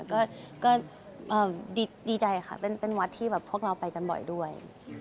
ก็ดีใจค่ะเป็นวัดที่แบบพวกเราไปกันบ่อยด้วย